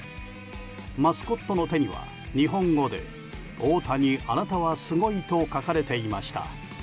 マスコットの手には日本語で「大谷あなたはすごい」と書かれていました。